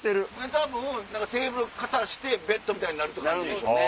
多分テーブル片してベッドみたいになるって感じ。